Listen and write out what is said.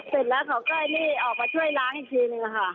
เสร็จแล้วเขาก็นี่ออกมาช่วยล้างอีกทีนึงค่ะ